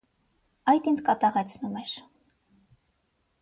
Այդ ինձ կատաղեցնում էր: